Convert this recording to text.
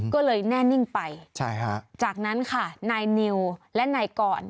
ก็เลยแน่นิ่งไปจากนั้นค่ะนายนิวและนายกร